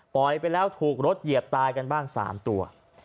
ไปแล้วถูกรถเหยียบตายกันบ้าง๓ตัว